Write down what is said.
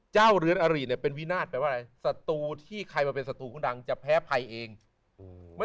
เจ้าเรือนอาริเป็นวินาธิ์สัตว์ที่ใครมาเป็นสัตว์ดังจะแพ้ภัยเองไม่